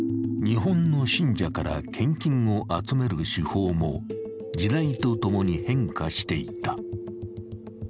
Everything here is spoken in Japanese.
日本の信者から献金を集める手法も時代とともに変化していった。